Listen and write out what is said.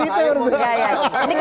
ini keberlanjutan aja udah pecah nih